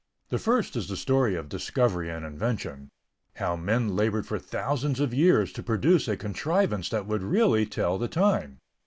The first is the story of discovery and invention—how men labored for thousands of years to produce a contrivance that would really tell the time.